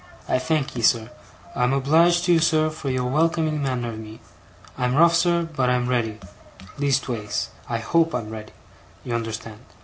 I thankee, sir. I'm obleeged to you, sir, for your welcoming manner of me. I'm rough, sir, but I'm ready least ways, I hope I'm ready, you unnerstand.